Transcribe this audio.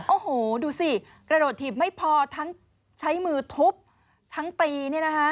โอ้โหดูสิกระโดดถีบไม่พอทั้งใช้มือทุบทั้งตีเนี่ยนะคะ